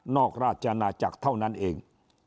อกราชนาจักรเท่านั้นเอง